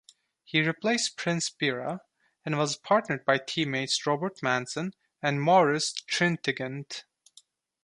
He replaced Prince Bira, and was partnered by teammates Robert Manzon and Maurice Trintignant.